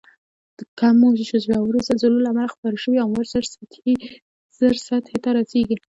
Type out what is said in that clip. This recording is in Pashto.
د کمو ژورو زلزلو له امله خپاره شوی امواج زر سطحې ته رسیږي.